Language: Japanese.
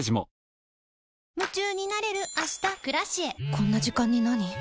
こんな時間になに？